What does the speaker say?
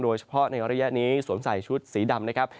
โดยเฉพาะในระยะนี้สวมใส่ชุดสีดำนะครับ